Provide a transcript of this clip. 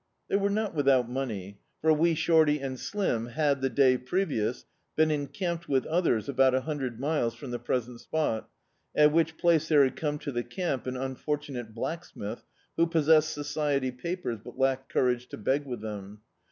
They were not without mMiey; for Wee Shorty and Slim had, the day previous, been encamped with others about a hundred miles from the present spot, at which place there had ccMne to the camp an un fortunate blacksmith who possessed society papers but lacked courage to beg with them.